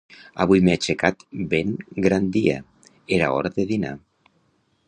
Avui m'he aixecat ben grandia, era hora de dinar.